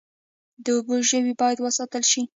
د اوبو ژوي باید وساتل شي